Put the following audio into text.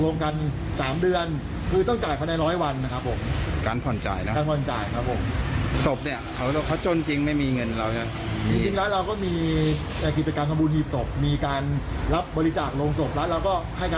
แน่ใจรักษา๙๑๑